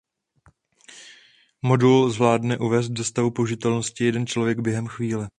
Modul zvládne uvést do stavu použitelnosti jeden člověk během chvíle.